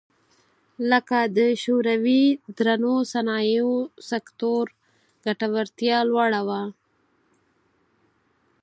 لکه د شوروي درنو صنایعو سکتور ګټورتیا لوړه وه